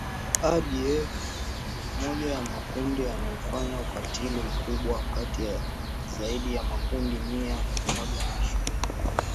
ADF ni mmoja ya makundi yanayofanya ukatili mkubwa kati ya zaidi ya makundi mia moja ishirini